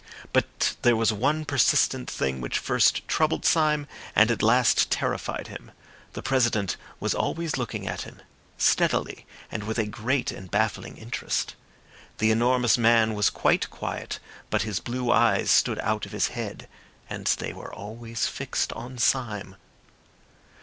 But there was one persistent thing which first troubled Syme and at last terrified him. The President was always looking at him, steadily, and with a great and baffling interest. The enormous man was quite quiet, but his blue eyes stood out of his head. And they were always fixed on Syme.